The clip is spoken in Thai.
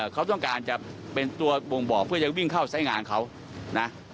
เขาต้องการจะเป็นตัวบ่งบอกเพื่อจะวิ่งเข้าใส่งานเขานะ